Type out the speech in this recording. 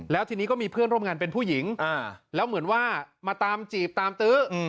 แล้วทีนี้ก็มีเพื่อนร่วมงานเป็นผู้หญิงแล้วเหมือนว่ามาตามจีบตามตื้อ